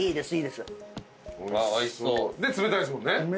で冷たいんすもんね。